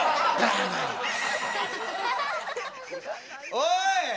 おい！